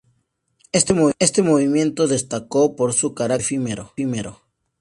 Este movimiento destacó por su carácter efímero.